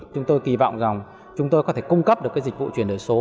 chúng tôi kỳ vọng rằng chúng tôi có thể cung cấp được cái dịch vụ truyền đổi số